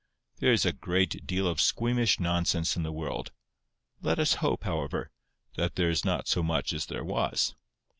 There is a great deal of squeamish nonsense in the world; let us hope, however, that there is not so much as there was.